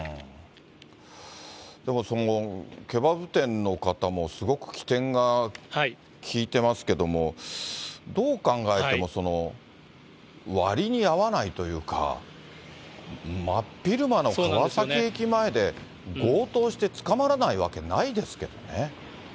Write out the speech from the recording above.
でもその、ケバブ店の方も、すごく機転が利いてますけども、どう考えても、割に合わないというか、真っ昼間の川崎駅前で、強盗して捕まらないわけないですけどね。